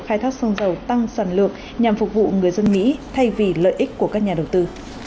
khai thác xăng dầu tăng sản lượng nhằm phục vụ người dân mỹ thay vì lợi ích của các nhà đầu tư